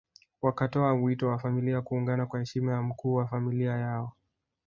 Wakatoa wito kwa familia kuungana kwa heshima ya mkuu wa familia yao